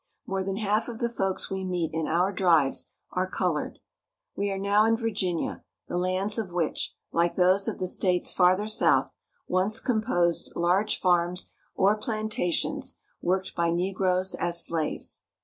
More than half of the folks we meet in our drives are colored. We are now in Virginia, the lands of which, like those of the states farther south, once composed large farms or plantations, worked by negroes as slaves.